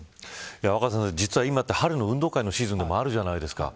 若狭さん、今春の運動会のシーズンでもあるじゃないですか。